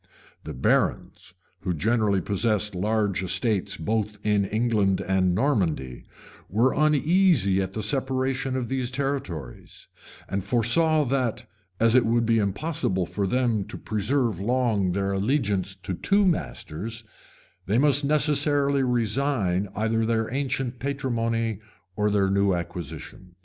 The barons, who generally possessed large estates both in England and in Normandy, were uneasy at the separation of those territories; and foresaw that, as it would be impossible for them to preserve long their allegiance to two masters, they must necessarily resign either their ancient patrimony or their new acquisitions.